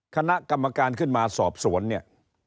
คณะกรรมการขึ้นมาสอบสวนเนี่ย